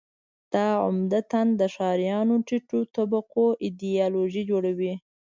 دا عمدتاً د ښاریانو ټیټو طبقو ایدیالوژي جوړوي.